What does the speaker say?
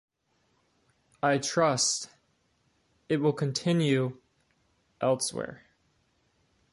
I trust it will continue elsewhere.